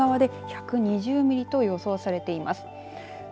海側で１２０ミリと予想されています。